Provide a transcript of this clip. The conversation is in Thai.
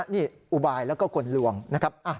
นี่อุบายแล้วก็กลลวงนะครับ